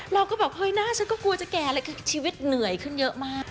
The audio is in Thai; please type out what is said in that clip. เราก็บอกหน้าฉันก็กลัวจะแก่ชีวิตเหนื่อยขึ้นเยอะมาก